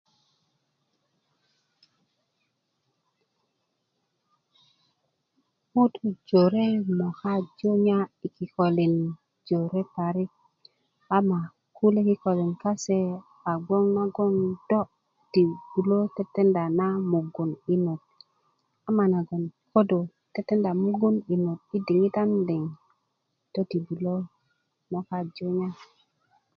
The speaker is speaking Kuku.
ŋutu jore moka junya i kikolin jore parik ama kulye kikolin kase gwon na nagan do tibublö tetenda na mugun inot ama nagon ko do tetenda mugun inot i diŋitan liŋ do ti bulö moka junya